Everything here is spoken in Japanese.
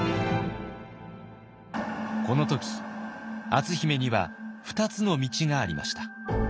この時篤姫には２つの道がありました。